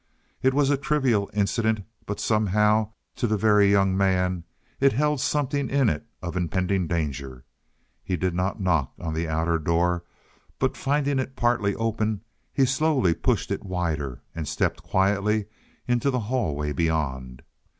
It was a trivial incident, but, somehow, to the Very Young Man, it held something in it of impending danger. He did not knock on the outer door, but finding it partly open, he slowly pushed it wider and stepped quietly into the hallway beyond.